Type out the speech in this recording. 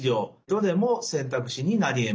どれも選択肢になりえます。